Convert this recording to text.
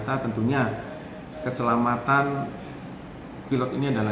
kita tentunya keselamatan pilot ini adalah